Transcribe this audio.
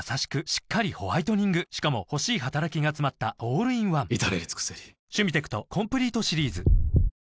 しっかりホワイトニングしかも欲しい働きがつまったオールインワン至れり尽せり俺の「ＣｏｏｋＤｏ」！